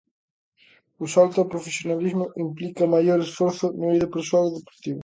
O salto ao profesionalismo implica maior esforzo no eido persoal e deportivo.